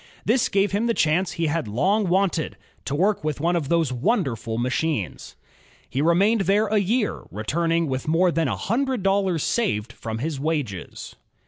This gave him the chance he had long wanted, to work with one of those wonderful machmes. He remained there a year, returning with more than a himdred dollars saved from his wages.